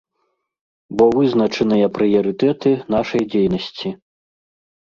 Бо вызначаныя прыярытэты нашай дзейнасці.